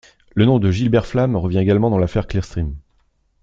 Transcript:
Le nom de Gilbert Flam revient également dans l'affaire Clearstream.